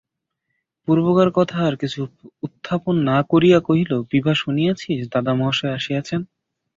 পূর্বকার কথা আর কিছু উত্থাপন না করিয়া কহিল, বিভা শুনিয়াছিস, দাদামহাশয় আসিয়াছেন?